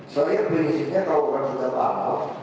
saya berisiknya kalau kita paham